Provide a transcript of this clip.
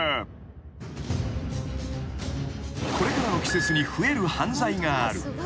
［これからの季節に増える犯罪がある］